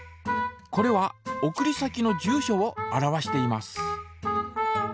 これは送り先の住所を表しています。